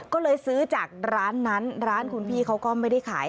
ก็เลยซื้อจากร้านนั้นร้านคุณพี่เขาก็ไม่ได้ขาย